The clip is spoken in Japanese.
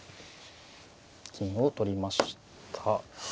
金を取りました。